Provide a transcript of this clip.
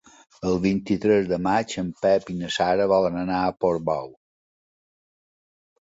El vint-i-tres de maig en Pep i na Sara volen anar a Portbou.